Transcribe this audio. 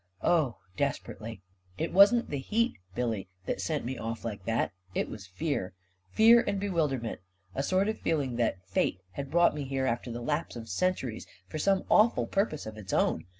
" Oh, desperately. It wasn't the heat, Billy, that sent me off like that. It was fear — fear and be wilderment — a sort of feeling that Fate had brought me here after the lapse of centuries for some awful purpose of its own.